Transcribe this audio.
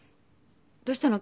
どうしたの？